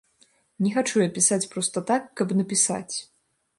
Не хачу я пісаць проста так, каб напісаць.